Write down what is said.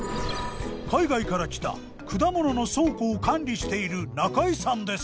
海外から来た果物の倉庫を管理している中井さんです。